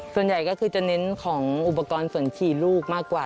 ส่วนใหญ่ก็คือจะเน้นของอุปกรณ์ส่วนขี่ลูกมากกว่า